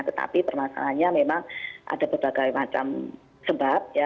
tetapi permasalahannya memang ada berbagai macam sebab ya